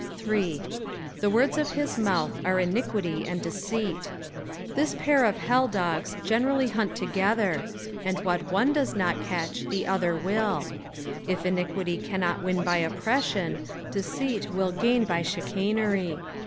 3. " The word* of hia mouth are iniquity and deceit." This pair of hell do^ generally hunt together, and what one does not catch the other will ; if ini quity cannot win by oppression, deceit will gain by chicanery.